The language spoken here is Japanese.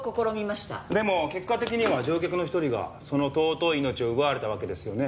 でも結果的には乗客の一人がその尊い命を奪われたわけですよね？